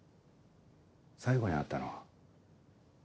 最後に会ったのは？